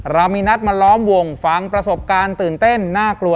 เรามีนัดมาล้อมวงฟังประสบการณ์ตื่นเต้นน่ากลัว